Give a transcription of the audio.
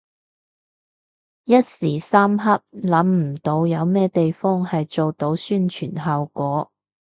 一時三刻諗唔到有咩地方係做到宣傳效果